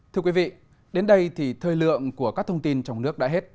thưa quý vị đến đây thì thời lượng của các thông tin trong nước đã hết